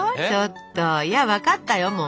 ちょっといや分かったよ